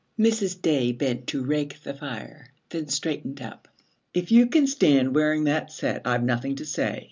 Mrs. Day bent to rake the fire, then straightened up. 'If you can stand wearing that set, I've nothing to say.